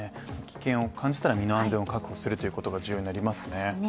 危険を感じたら身の安全を確保することが重要になりますね。